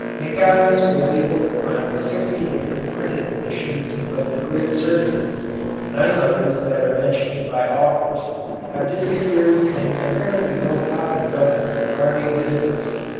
Nicaise was able to find sixty different printed editions of the "Great Surgery." Nine others that are mentioned by authors have disappeared and apparently no copies of them are in existence.